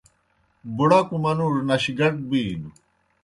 بُڑَکوْ منُوڙوْ نشگٹ بِینوْ۔